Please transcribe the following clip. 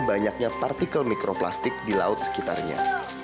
banyaknya partikel mikroplastik di laut sekitarnya